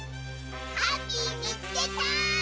ハッピーみつけた！